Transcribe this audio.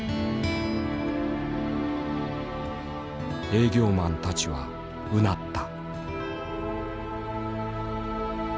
営業マンたちはうなった。